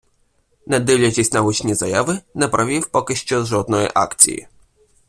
Не дивлячись на гучні заяви, не провів поки що жодної акції.